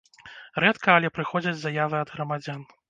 Рэдка, але прыходзяць заявы ад грамадзян.